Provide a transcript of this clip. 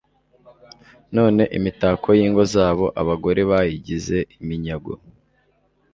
none imitako y'ingo zabo abagore bayigize iminyago